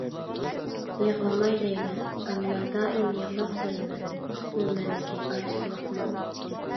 يىغلىماي دەيمەن، ئەمما دائىم يىغلاپ سالىمەن. بۇ مەندىكى ئاجىزلىقمۇ؟